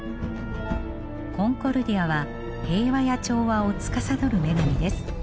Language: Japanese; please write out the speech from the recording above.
コンコルディアは平和や調和をつかさどる女神です。